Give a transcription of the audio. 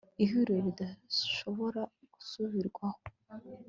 ihuriro ridashobora gusubirwaho